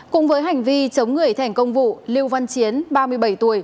cùng với hành vi chống người thi hành công vụ liêu văn chiến ba mươi bảy tuổi